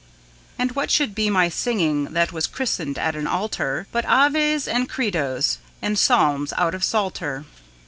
And what should be my singing, that was christened at an altar, But Aves and Credos and Psalms out of Psalter?